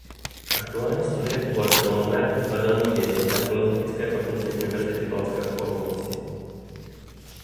Aktuálně studuje obor filmové a divadelní vědy na Filozofické fakultě Univerzity Palackého v Olomouci.